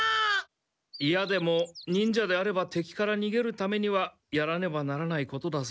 イヤでも忍者であれば敵からにげるためにはやらねばならないことだぞ。